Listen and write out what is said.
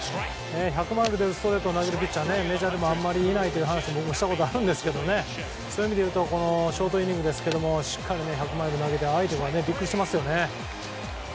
１００マイル出るストレートを投げるピッチャーはメジャーでもあまり見ないという話を僕もしたことがありますがそういう意味でいうとショートイニングですがしっかり１００マイル投げて相手がビックリしてますよね。